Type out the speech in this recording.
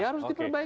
ya harus diperbaiki